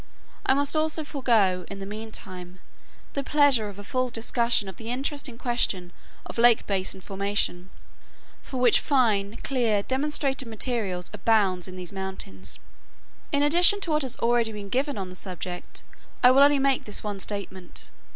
I must also forego, in the mean time, the pleasure of a full discussion of the interesting question of lake basin formation, for which fine, clear, demonstrative material abounds in these mountains. In addition to what has been already given on the subject, I will only make this one statement.